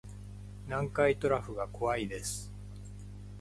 南海トラフが怖いです